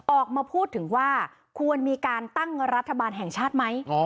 ออกมาพูดถึงว่าควรมีการตั้งรัฐบาลแห่งชาติไหม